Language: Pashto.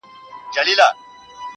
زما يتيـمي ارواح تـه غـــــوښـتې خـو.